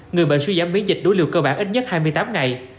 người bệnh suy giảm biến dịch đối liều cơ bản ít nhất hai mươi tám ngày